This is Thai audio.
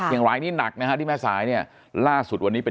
อย่างไรนี่หนักนะฮะที่แม่สายเนี่ยล่าสุดวันนี้เป็น